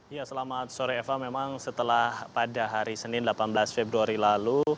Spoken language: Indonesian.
ya selamat sore eva memang setelah pada hari senin delapan belas februari lalu